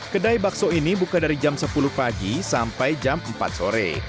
kedai bakso ini buka dari jam sepuluh pagi sampai jam empat sore